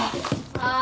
ああ！